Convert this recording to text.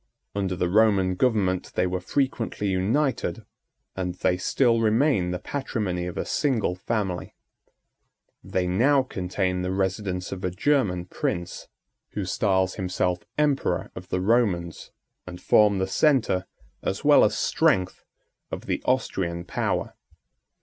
Under the Roman government they were frequently united, and they still remain the patrimony of a single family. They now contain the residence of a German prince, who styles himself Emperor of the Romans, and form the centre, as well as strength, of the Austrian power.